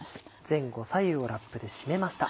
前後左右をラップで締めました。